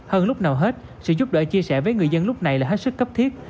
hơn lúc nào hết sự giúp đỡ chia sẻ với người dân lúc này là hết sức cấp thiết